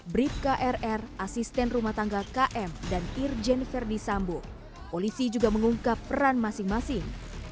bribka rr asisten rumah tangga km dan irjen verdi sambo polisi juga mengungkap peran masing masing